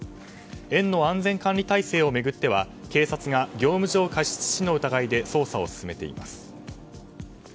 園の安全管理体制を巡っては警察が業務上過失致死の疑いで捜査を進めています。